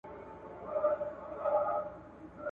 نن څراغه لمبې وکړه پر زړګي مي ارمانونه